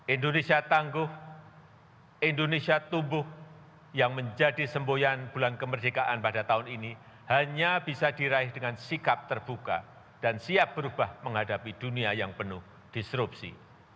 indonesia tangguh indonesia tumbuh yang menjadi semboyan bulan kemerdekaan pada tahun ini hanya bisa diraih dengan sikap terbuka dan siap berubah menghadapi dunia yang penuh disrupsi